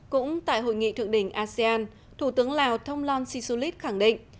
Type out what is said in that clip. cũng tại hội nghị thượng đỉnh asean thủ tướng lào thông lon shin su lit khẳng định